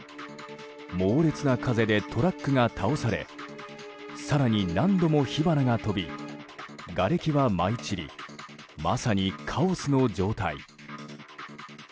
猛烈な風でトラックが倒され更に、何度も火花が飛びがれきが舞い散りまさにカオスの状態。